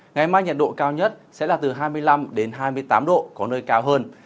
ngày mai nhiệt độ cao nhất sẽ là từ hai mươi năm hai mươi tám độ có nơi cao hơn